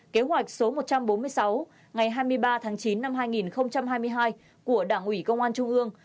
kế hoạch số một trăm bốn mươi sáu ngày hai mươi ba tháng chín năm hai nghìn hai mươi hai của đảng ủy công an trung ương